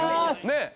ねえ。